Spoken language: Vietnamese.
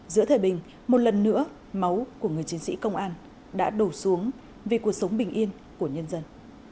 giữa thời bình một lần nữa máu của người chiến sĩ công an đã đổ xuống vì cuộc sống bình yên của nhân dân